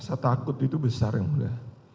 rasa takut itu besar ya